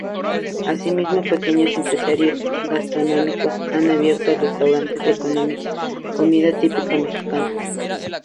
Asimismo, pequeños empresarios gastronómicos han abierto restaurantes de comida típica mexicana.